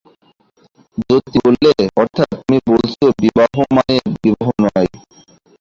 যতী বললে, অর্থাৎ তুমি বলছ বিবাহ মানে বিবাহ নয়।